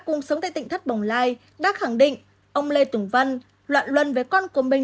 cùng sống tại tỉnh thất bồng lai đã khẳng định ông lê tùng văn loạn luân với con của mình